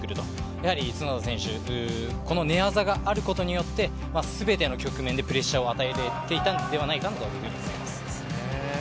やはり角田選手、この寝技があることによって全ての局面でプレッシャーを与えられていたんではないかと思います。